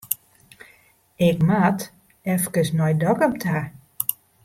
Ik moat efkes nei Dokkum ta.